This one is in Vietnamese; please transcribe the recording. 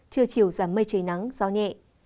trưa chiều giảm mây trời nắng gió nhẹ